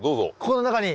この中に？